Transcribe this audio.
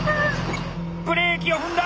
ブレーキを踏んだ！